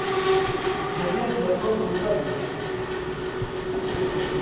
دەبێت لە تۆ تووڕە بێت.